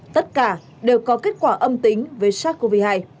tất cả đều có kết quả âm tính với sars cov hai